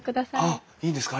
あっいいんですか？